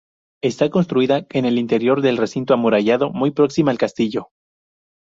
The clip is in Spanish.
Está construida en el interior del recinto amurallado, muy próxima al castillo.